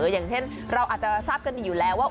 อย่างเช่นเราอาจจะทราบกันดีอยู่แล้วว่า